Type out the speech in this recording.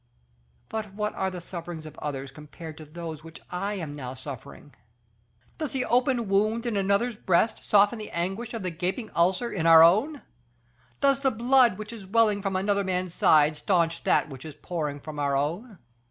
But what are the sufferings of others compared to those from which I am now suffering? Does the open wound in another's breast soften the anguish of the gaping ulcer in our own? Does the blood which is welling from another man's side stanch that which is pouring from our own?